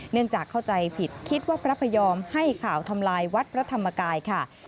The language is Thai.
เนื่องจากเข้าใจผิดคิดว่าพระพยอมให้ข่าวทำลายวัดพระธรรมกายค่ะ